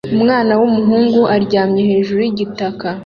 Umwana wumuhungu uryamye hejuru yigitaka